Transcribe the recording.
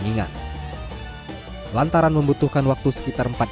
itu juga dalam sejahat sekolah kecil dengan perumahan kelas